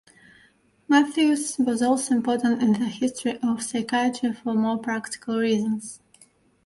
Matthews was also important in the history of psychiatry for more practical reasons.